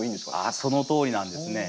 あっそのとおりなんですね。